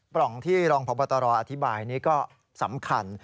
ร่องที่รองพบตรอธิบายนี้ก็สำคัญ